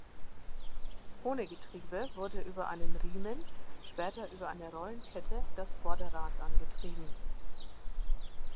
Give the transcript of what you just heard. Ohne Getriebe wurde über einen Riemen, später über eine Rollenkette, das Vorderrad angetrieben.